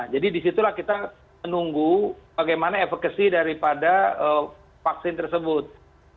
jadi disitulah kita menunggu bagaimana evokasi daripada vaksin tersebut